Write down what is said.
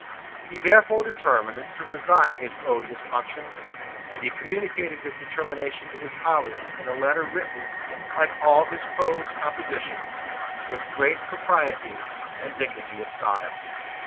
He therefore determined to resign his odious functions; and he communicated his determination to his colleagues in a letter written, like all his prose compositions, with great propriety and dignity of style.